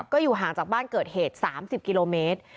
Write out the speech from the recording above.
ก็อยู่ห่างจากบ้านเกิดเหตุ๓๐กิโลเมตร